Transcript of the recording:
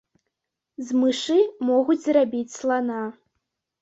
З мышы могуць зрабіць слана.